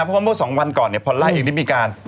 เพราะเมื่อ๒วันก่อนพอลร่าเองได้มีการ